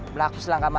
belakang selangka manis